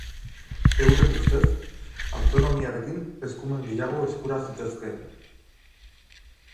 Euren ustez, autonomiarekin eskumen gehiago eskura zitezkeen.